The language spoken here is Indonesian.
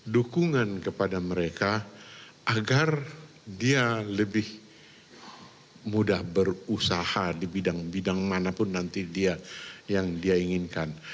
dukungan kepada mereka agar dia lebih mudah berusaha di bidang bidang manapun nanti dia yang dia inginkan